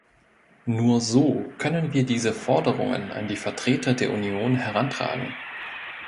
Nur so können wir diese Forderungen an die Vertreter der Union herantragen.